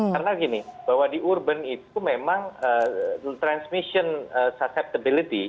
karena gini bahwa di urban itu memang transmission susceptibility